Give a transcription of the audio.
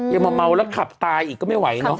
ยังมาเมาแล้วขับตายอีกก็ไม่ไหวเนอะ